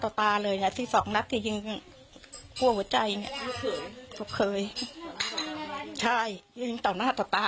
ต่อตาเลยอ่ะที่สองนักที่ยิงกลัวหัวใจเนี้ยทุกเคยใช่ยิงต่อหน้าต่อตา